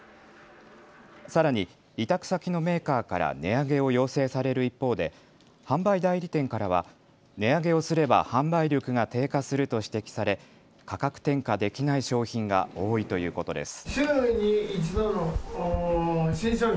さらに委託先のメーカーから値上げを要請される一方で販売代理店からは値上げをすれば販売力が低下すると指摘され価格転嫁できない商品が多いということです。